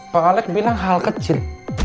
pak alex bilang hal kecil